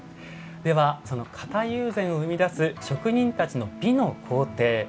ではその型友禅を生み出す職人たちの美の工程